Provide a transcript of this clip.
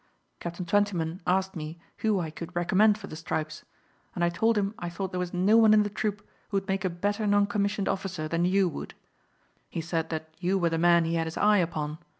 Captain Twentyman asked me who I could recommend for the stripes, and I told him I thought there was no one in the troop who would make a better non commissioned officer than you would. He said that you were the man he had his eye upon.